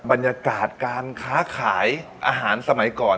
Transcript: บรรยากาศการค้าขายอาหารสมัยก่อน